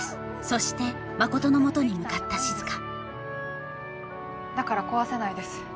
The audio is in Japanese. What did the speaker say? そして真琴のもとに向かった静だから壊せないです